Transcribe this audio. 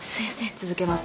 続けます。